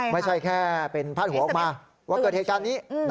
ไม่ใช่แค่เป็นพาดหัวออกมาว่าเกิดเหตุการณ์นี้